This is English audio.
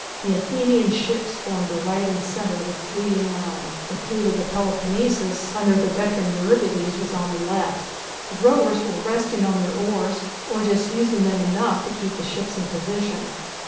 The Athenian ships formed the right and centre of its leading line, the fleet of the Peloponnesus under the veteran Eurybiades was on the left. The rowers were resting on their oars, or just using them enough to keep the ships in position.